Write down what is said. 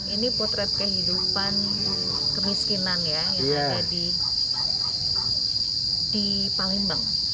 ini potret kehidupan kemiskinan ya yang ada di palembang